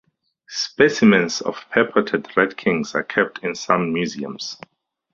Specimens of purported rat kings are kept in some museums.